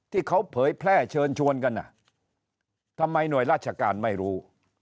ที่เขาเผยแพร่เชิญชวนกันทำไมหน่วยราชการไม่รู้